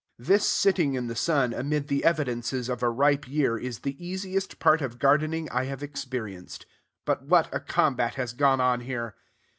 This sitting in the sun amid the evidences of a ripe year is the easiest part of gardening I have experienced. But what a combat has gone on here!